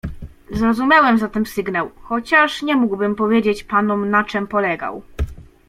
"Zrozumiałem zatem sygnał, chociaż nie mógłbym powiedzieć panom, na czem polegał."